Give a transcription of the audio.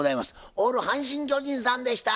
オール阪神・巨人さんでした。